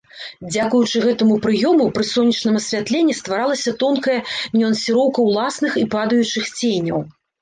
Дзякуючы гэтаму прыёму, пры сонечным асвятленні стваралася тонкая нюансіроўка ўласных і падаючых ценяў.